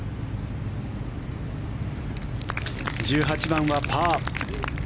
１８番はパー。